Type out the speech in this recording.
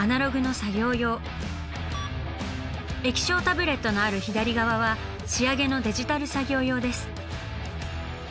液晶タブレットのある左側は仕上げのデジタル作業用です。